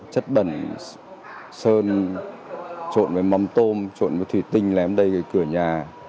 chất bẩn sơn trộn với mắm tôm trộn với thủy tinh lém đây về cửa nhà